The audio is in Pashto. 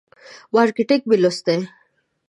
مارکیټینګ مې لوستی.